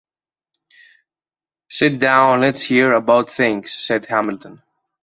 "Sit down and let's hear about things," said Hamilton.